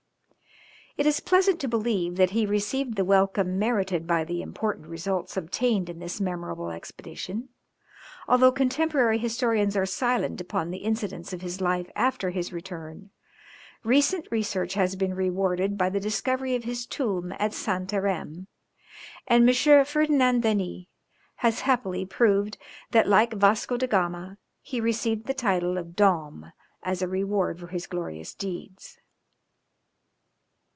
It is pleasant to believe that he received the welcome merited by the important results obtained in this memorable expedition. Although contemporary historians are silent upon the incidents of his life after his return, recent research has been rewarded by the discovery of his tomb at Santarem, and M. Ferdinand Denis has happily proved that, like Vasco da Gama, he received the title of Dom as a reward for his glorious deeds.